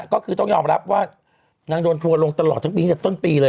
ก็คือต้องยอมรับว่านางโดนทัวลงตลอดจนตั้งปี